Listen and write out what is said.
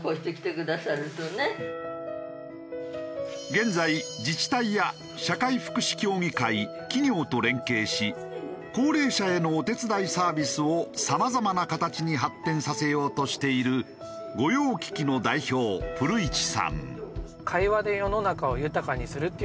現在自治体や社会福祉協議会企業と連携し高齢者へのお手伝いサービスをさまざまな形に発展させようとしている御用聞きの代表古市さん。